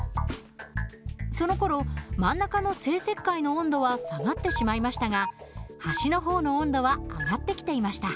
そのころ真ん中の生石灰の温度は下がってしまいましたが端の方の温度は上がってきていました。